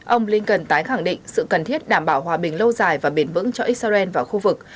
ông blinken tái khẳng định sự cần thiết đảm bảo hòa bình lâu dài và bền vững cho israel và khu vực